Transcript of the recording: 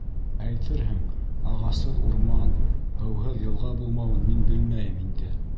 Әйтерһең, ағасһыҙ урман, һыуһыҙ йылға булмауын мин белмәйем инде.